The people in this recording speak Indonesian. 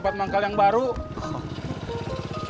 biasanya suka menggali tempat manggal